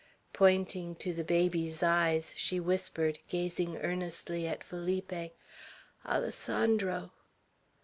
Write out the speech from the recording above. Pointing to the baby's eyes, she whispered, gazing earnestly at Felipe, "Alessandro."